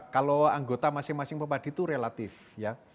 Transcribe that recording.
kalau anggota masing masing pepadi itu relatif ya